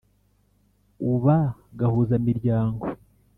Uba gahuzamiryango